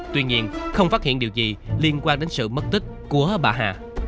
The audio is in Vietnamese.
tuy nhiên không phát hiện điều gì liên quan đến sự mất tích của bà hà